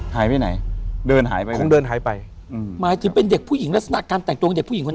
หายไปไหนเดินหายไปคงเดินหายไปอืมหมายถึงเป็นเด็กผู้หญิงลักษณะการแต่งตัวของเด็กผู้หญิงคนนั้น